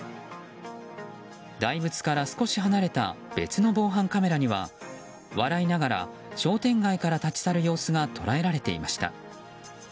大仏から少し離れた別の防犯カメラには笑いながら商店街から立ち去る様子が捉えられていました。